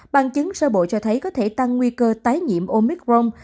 bằng chứng sơ bộ cho thấy có thể tăng nguy cơ tái nhiễm omicron